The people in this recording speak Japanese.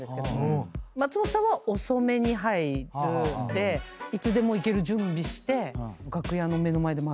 松本さんは遅めに入るんでいつでも行ける準備して。